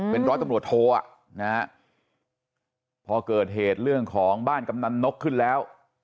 เป็นร้อยตำรวจโทอ่ะนะฮะพอเกิดเหตุเรื่องของบ้านกำนันนกขึ้นแล้ว